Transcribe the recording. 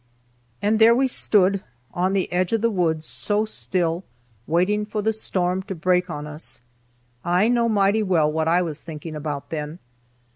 And there we stood, in the edge of the woods, so still, waiting for the storm to break on us. I know mighty well what I was thinking about then.